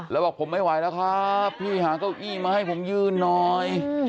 แล้วบอกผมไม่ไหวแล้วครับพี่หาเก้าอี้มาให้ผมยืนหน่อย